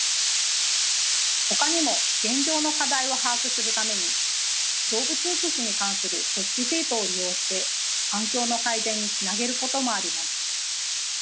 ほかにも現状の課題を把握するために動物福祉に関するチェックシートを利用して環境の改善につなげることもあります。